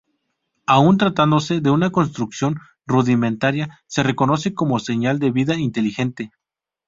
Aun tratándose de una construcción rudimentaria, se reconoce como señal de vida inteligente.